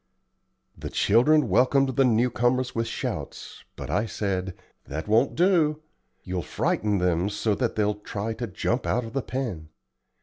The children welcomed the new comers with shouts; but I said: "That won't do. You'll frighten them so that they'll try to jump out of the pen.